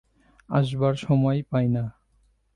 আসবার সময় পাই না।